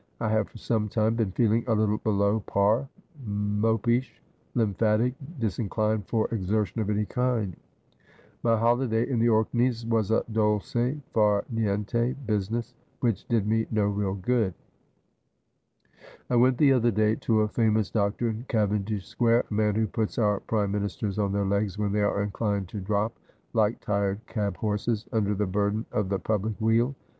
I have for some time been feeling a little below par — mopish, lymphatic, disinclined for exertion of any kind. My holiday in the Orkneys was a dolce far niente business, which did me no real good. I went the other day to a famous doctor in Cavendish Square, a man who puts our prime ministers on their legs when they are inclined to drop, like tired cab horses, under the burden of the public weal.